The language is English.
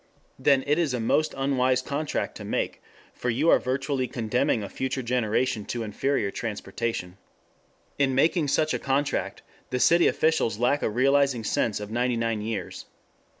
Then it is a most unwise contract to make, for you are virtually condemning a future generation to inferior transportation. In making such a contract the city officials lack a realizing sense of ninety nine years.